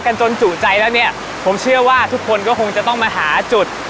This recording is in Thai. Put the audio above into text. จนจุใจแล้วเนี่ยผมเชื่อว่าทุกคนก็คงจะต้องมาหาจุด